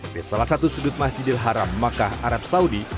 di salah satu sudut masjidil haram makkah arab saudi